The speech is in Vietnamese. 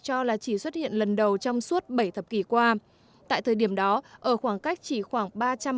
cho là chỉ xuất hiện lần đầu trong suốt bảy thập kỷ qua tại thời điểm đó ở khoảng cách chỉ khoảng